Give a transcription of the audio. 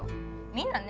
みんなね